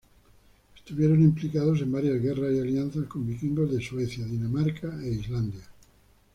Estuvieron implicados en varias guerras y alianzas con vikingos de Suecia, Dinamarca e Islandia.